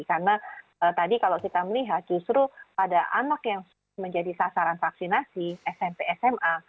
karena tadi kalau kita melihat justru pada anak yang menjadi sasaran vaksinasi smp sma